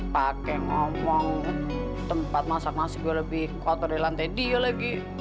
pakai ngomong tempat masak nasi gue lebih kotor di lantai dia lagi